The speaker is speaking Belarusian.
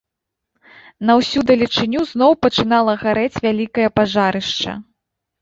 На ўсю далечыню зноў пачынала гарэць вялікае пажарышча.